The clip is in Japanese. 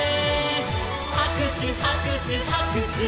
「はくしゅはくしゅはくしゅ」